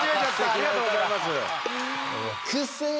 ありがとうございます。